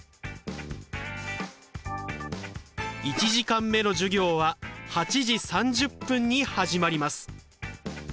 １時間目の授業は８時３０分に始まります。